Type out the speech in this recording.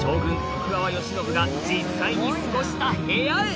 徳川慶喜が実際に過ごした部屋へ！